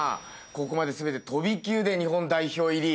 ここまで全て飛び級で日本代表入り。